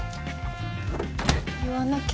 言わなきゃ。